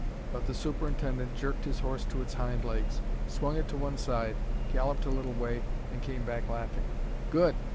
But the superintendent jerked his horse to its hind legs, swung it to one side, galloped a little way, and came back laughing. "Good!